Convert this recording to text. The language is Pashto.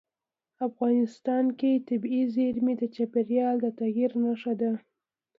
افغانستان کې طبیعي زیرمې د چاپېریال د تغیر نښه ده.